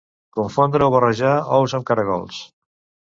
Confondre o barrejar ous amb caragols.